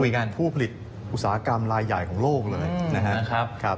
คุยกับผู้ผลิตอุตสาหกรรมลายใหญ่ของโลกเลย